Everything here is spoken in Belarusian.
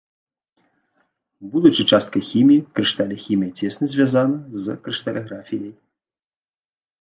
Будучы часткай хіміі, крышталяхімія цесна звязана з крышталяграфіяй.